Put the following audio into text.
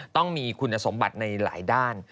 ต้องมีคุณสมบัติในหลายด้าน